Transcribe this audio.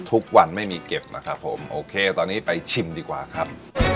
ทุกวันไม่มีเก็บนะครับผมโอเคตอนนี้ไปชิมดีกว่าครับ